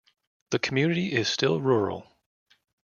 The community is still rural.